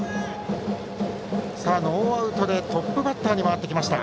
ノーアウトでトップバッターに回ってきました。